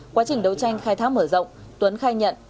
quá trình đấu tranh khai thác mở rộng tuấn khai nhận